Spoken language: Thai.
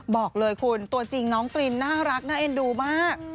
บอกเลยคุณตัวจริงน้องตรินน่ารักน่าเอ็นดูมาก